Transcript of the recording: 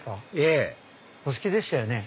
ええお好きでしたよね。